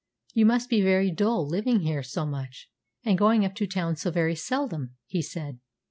"You must be very dull, living here so much, and going up to town so very seldom," he said.